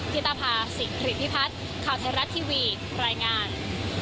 พิตาภาศิกฤทธิพัฒน์ข่าวไทยรัฐทีวีรายงาน